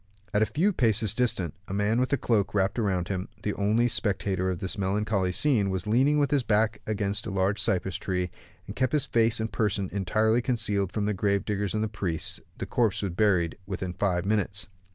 At a few paces distant, the man with the cloak wrapped round him, the only spectator of this melancholy scene, was leaning with his back against a large cypress tree, and kept his face and person entirely concealed from the grave diggers and the priests; the corpse was buried in five minutes.